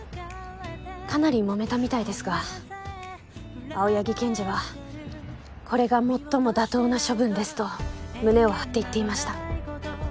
かなり揉めたみたいですが青柳検事は「これが最も妥当な処分です」と胸を張って言っていました。